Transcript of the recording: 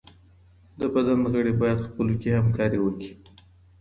د بدن غړي بايد خپلو کي همکاري وکړي.